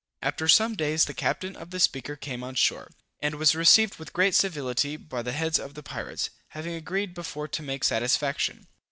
After some days the captain of the Speaker came on shore, and was received with great civility by the heads of the pirates, having agreed before to make satisfaction.